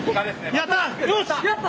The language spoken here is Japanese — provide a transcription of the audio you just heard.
やった！